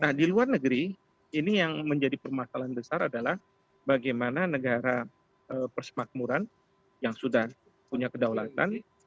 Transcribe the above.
nah di luar negeri ini yang menjadi permasalahan besar adalah bagaimana negara persemakmuran yang sudah punya kedaulatan